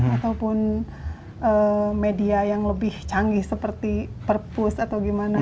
ataupun media yang lebih canggih seperti perpus atau gimana